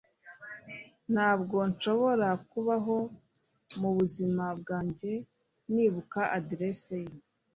Ntabwo nshobora kubaho mubuzima bwanjye nibuka adresse ye.